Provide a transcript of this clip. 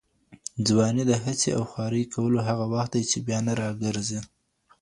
ځواني د هڅې او خواري کولو هغه وخت دی چي بیا نه راګرځي.